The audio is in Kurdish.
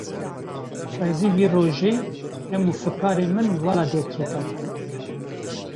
Xwezî wê rojê, hemû fikarên min vala derketana